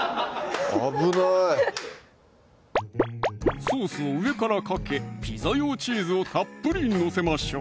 危ないソースを上からかけピザ用チーズをたっぷり載せましょう！